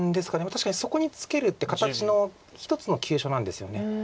確かにそこにツケるって形の一つの急所なんですよね。